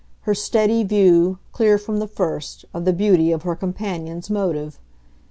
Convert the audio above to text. her steady view, clear from the first, of the beauty of her companion's motive.